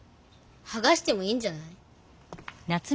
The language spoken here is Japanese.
はがしてもいいんじゃない？